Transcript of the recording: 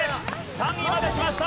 ３位まで来ました！